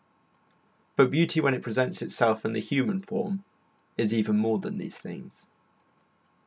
But beauty when it presents itself in the human form is even more than these things.